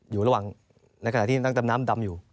อยู่ระหว่างใกล้ใกล้ที่นักดำน้ำดำอยู่